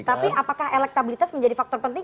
tapi apakah elektabilitas menjadi faktor penting